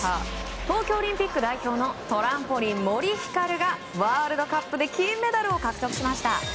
東京オリンピック代表のトランポリン、森ひかるがワールドカップで金メダルを獲得しました。